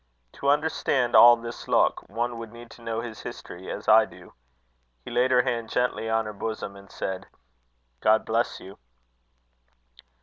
To understand all this look, one would need to know his history as I do. He laid her hand gently on her bosom, and said: "God bless you!"